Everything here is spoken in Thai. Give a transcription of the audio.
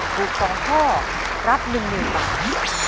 ถูก๒ข้อรับ๑๐๐๐บาท